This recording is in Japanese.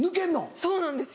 そうなんですよ。